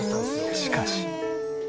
しかし。